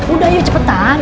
udah yuk cepetan